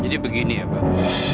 jadi begini ya pak